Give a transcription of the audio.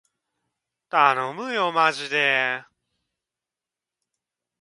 たのむよーまじでー